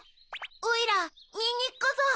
おいらにんにくこぞう。